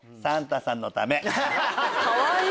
かわいい！